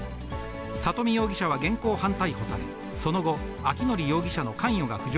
佐登美容疑者は現行犯逮捕され、その後、明範容疑者の関与が浮上